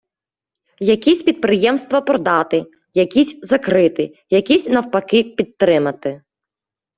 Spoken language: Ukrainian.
Якісь підприємства продати, якісь закрити, якісь навпаки підтримати.